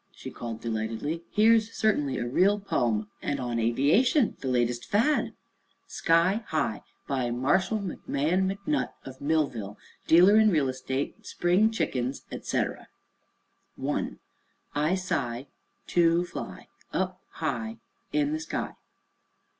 she called, delightedly. "Here is certainly a real 'pome,' and on aviation the latest fad: "'SKY HIGH BY MARSHALL MCMAHON MCNUTT of Millville dealer in Real Estate Spring Chickens &c. 1. I sigh Too fly Up high In the sky.